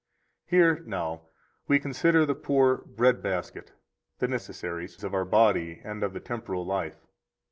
72 Here, now, we consider the poor bread basket, the necessaries of our body and of the temporal life.